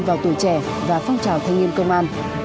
vào tuổi trẻ và phong trào thanh niên công an